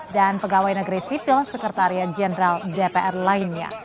dan pegawai negeri sipil sekretariat jenderal dpr lainnya